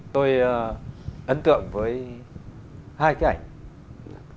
tôi ấn tượng với hai cái ảnh